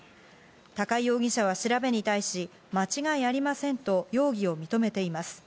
高井容疑者は調べに対し、間違いありませんと容疑を認めています。